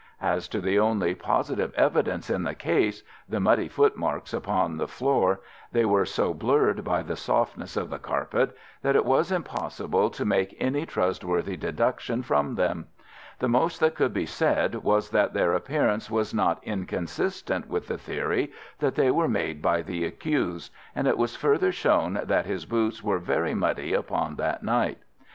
As to the only positive evidence in the case—the muddy footmarks upon the floor—they were so blurred by the softness of the carpet that it was impossible to make any trustworthy deduction from them. The most that could be said was that their appearance was not inconsistent with the theory that they were made by the accused, and it was further shown that his boots were very muddy upon that night.